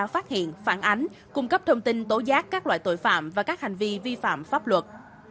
phát hiện phản ánh cung cấp thông tin tố giác các loại tội phạm và các hành vi vi phạm pháp luật